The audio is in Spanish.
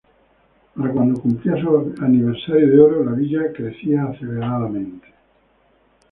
Para cuando cumplía su aniversario de oro, la villa crecía aceleradamente.